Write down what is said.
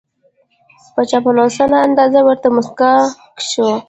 په چاپلوسانه انداز ورته موسکای شو